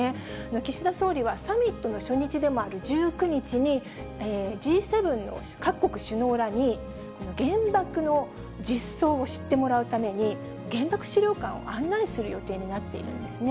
岸田総理はサミットの初日でもある１９日に、Ｇ７の各国首脳らに原爆の実相を知ってもらうために原爆資料館を案内する予定になっているんですね。